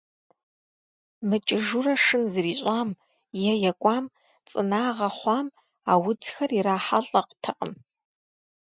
Мыкӏыжурэ шын зрищӏам, е екӏуам, цӏынагъэ хъуам а удзхэр ирахьэлӏэтэкъым.